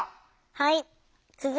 はい。